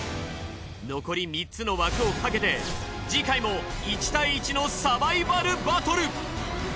残り３つの枠をかけて次回も１対１のサバイバルバトル！